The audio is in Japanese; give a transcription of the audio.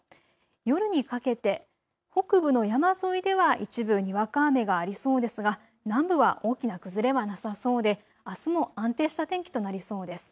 夜にかけて北部の山沿いでは一部にわか雨がありそうですが南部は大きな崩れはなさそうであすも安定した天気となりそうです。